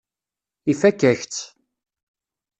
Ifakk-ak-tt.